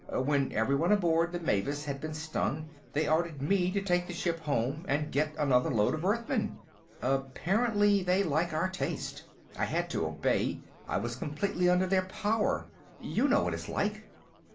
When everyone aboard the Mavis had been stung, they ordered me to take the ship home and get another load of Earthmen. Apparently they like our taste. I had to obey; I was completely under their power. You know what it's like."